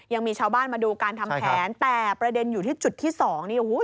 ยังมีชาวบ้านมาดูการทำแผนแต่ประเด็นอยู่ที่จุดที่สองนี่โอ้โห